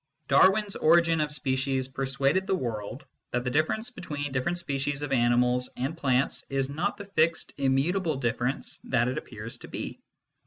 Darwin s Origin of Species persuaded the world that the difference between different species of animals and plants is not the fixed immutable difference that it appears to be.